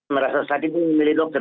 merasa sakit memilih dokter